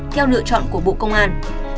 theo lựa chọn của bộ công an